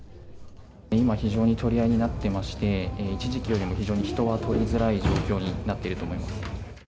今非常に取り合いになっていまして、一時期よりも非常に人は採りづらい状況になってると思います。